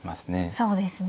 そうですね。